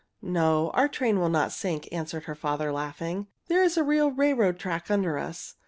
"No, our train will not sink," answered her father, laughing. "There is a real railroad track under us.